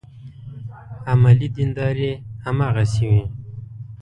عملي دینداري هماغسې وي.